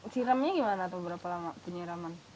siramnya gimana atau berapa lama penyiraman